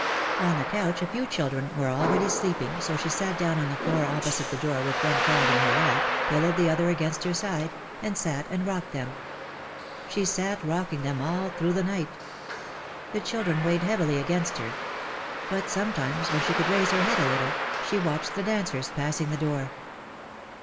On the couch a few children were already sleeping so she sat down on the floor oppo site the door with one child in her lap, pillowed the other against her side and sat and rocked them. She sat rocking them all through the night. The children weighed heavily against her. But sometimes when she could raise her head a little, she watched the dancers passing the door.